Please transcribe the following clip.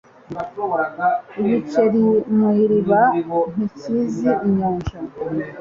Igikeri mu iriba ntikizi inyanja.